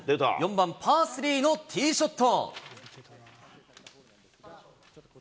４番パー３のティーショット。